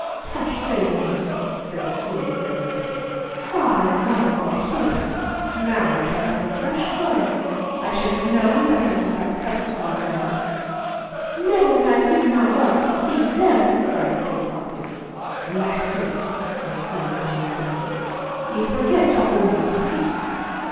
"Tush! silly maid!" said the Queen, really angered. "Father and mother, forsooth! Now shall we have a fresh coil! I should have known better than to have trusted thy word." "Never would I have given my word to deceive them," cried Cis, hotly. "Lassie!" exclaimed Jean Kennedy, "ye forget to whom ye speak."